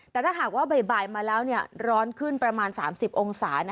แต่ถ้าหากว่าบ่ายมาแล้วร้อนขึ้นประมาณ๓๐องศา